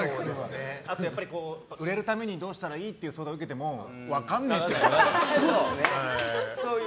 あとは売れるためにどうしたらいいかっていう相談を受けても分かんねえっていう。